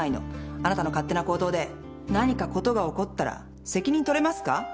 あなたの勝手な行動で何か事が起こったら責任取れますか？